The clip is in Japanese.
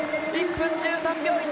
１分１３秒１９。